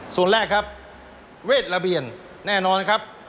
ส่วนแรกครับเวทระเบียนแน่นอนครับ